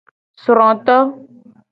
Sroto.